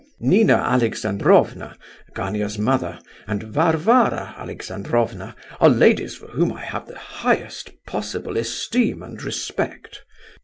Nina Alexandrovna, Gania's mother, and Varvara Alexandrovna, are ladies for whom I have the highest possible esteem and respect.